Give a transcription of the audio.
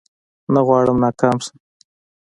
نه غواړم ناکام شم